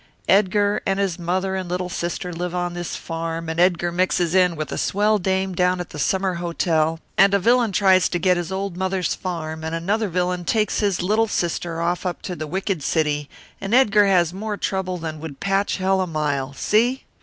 "Edgar and his mother and little sister live on this farm and Edgar mixes in with a swell dame down at the summer hotel, and a villain tries to get his old mother's farm and another villain takes his little sister off up to the wicked city, and Edgar has more trouble than would patch Hell a mile, see?